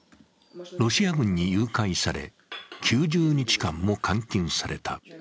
ロシア軍に誘拐され、９０日間も監禁された。